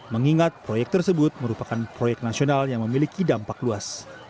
mengingat proyek tersebut merupakan proyek nasional yang memiliki dampak luas